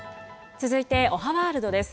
続いておはワールドです。